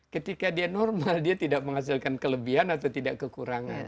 ketika dia normal dia tidak menghasilkan kelebihan atau tidak kekurangan